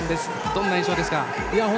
どんな印象ですか？